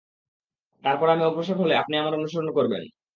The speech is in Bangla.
তারপর আমি অগ্রসর হলে আপনি আমার অনুসরণ করবেন।